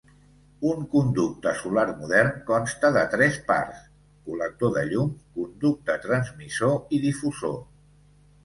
Un conducte solar modern consta de tres parts: col·lector de llum, conducte transmissor i difusor.